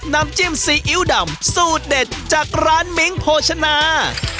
น้ำจิ้มซีอิ๊วดำสูตรเด็ดจากร้านมิ้งโภชนา